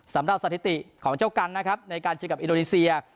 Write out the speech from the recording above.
สถิติของเจ้ากันนะครับในการเจอกับอินโดนีเซีย